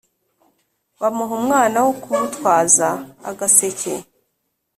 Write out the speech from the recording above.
Bamuha umwana wo kumutwaza agaseke